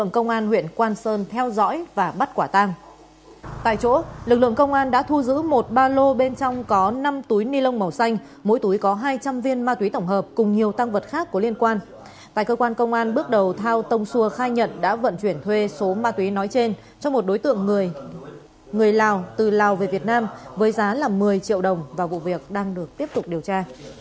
cơ quan công an bước đầu thao tông xua khai nhận đã vận chuyển thuê số ma túy nói trên cho một đối tượng người lào từ lào về việt nam với giá là một mươi triệu đồng và vụ việc đang được tiếp tục điều tra